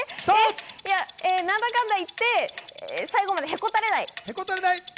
何だかんだ言って最後までへこたれない。